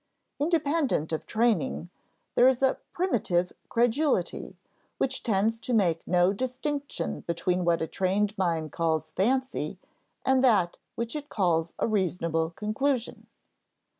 Independent of training, there is a "primitive credulity" which tends to make no distinction between what a trained mind calls fancy and that which it calls a reasonable conclusion.